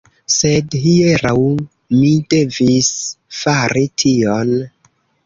Sed, hieraŭ, mi devis fari tion.